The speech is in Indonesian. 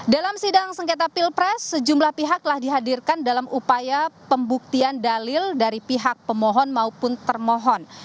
dalam sidang sengketa pilpres sejumlah pihak telah dihadirkan dalam upaya pembuktian dalil dari pihak pemohon maupun termohon